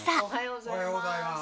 おはようございます。